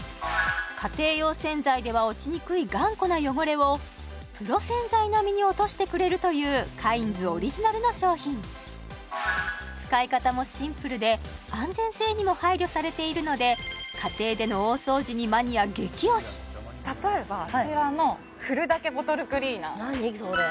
家庭用洗剤では落ちにくい頑固な汚れをプロ洗剤並みに落としてくれるというカインズオリジナルの商品使い方もシンプルで安全性にも配慮されているので家庭での大掃除に例えばあちらのふるだけボトルクリーナー何それ？